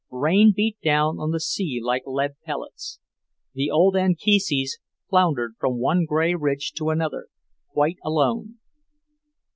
Rain beat down on the sea like lead bullets. The old Anchises floundered from one grey ridge to another, quite alone.